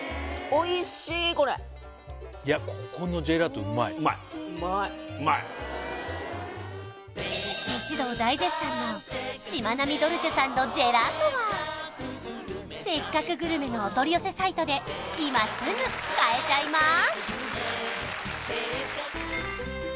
おいしい一同大絶賛のしまなみドルチェさんのジェラートは「せっかくグルメ！！」のお取り寄せサイトで今すぐ買えちゃいます